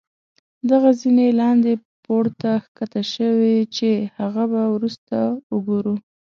دغه زينې لاندې پوړ ته ښکته شوي چې هغه به وروسته وګورو.